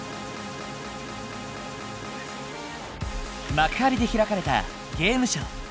幕張で開かれたゲームショウ。